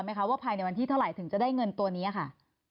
ไหมคะว่าภายในวันที่เท่าไหร่ถึงจะได้เงินตัวนี้ค่ะ